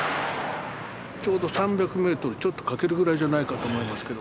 ちょうど３００ｍちょっと欠けるぐらいじゃないかと思いますけど。